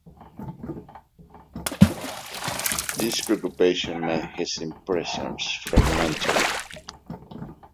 This preoccupation made his impressions fragmentary.